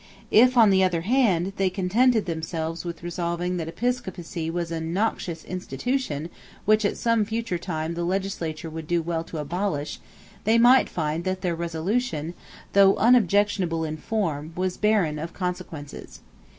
If, on the other hand, they contented themselves with resolving that episcopacy was a noxious institution which at some future time the legislature would do well to abolish, they might find that their resolution, though unobjectionable in form, was barren of consequences.